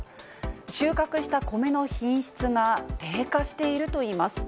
収穫した米の品質が低下しているといいます。